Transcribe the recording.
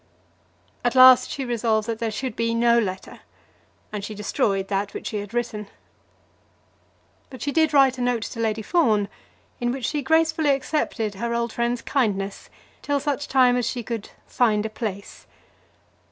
At last she resolved that there should be no letter, and she destroyed that which she had written. But she did write a note to Lady Fawn, in which she gratefully accepted her old friend's kindness till such time as she could "find a place."